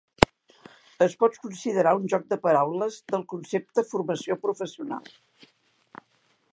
Es pot considerar un joc de paraules del concepte formació professional.